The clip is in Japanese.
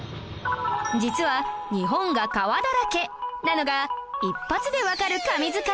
実は日本が川だらけなのが一発でわかる神図解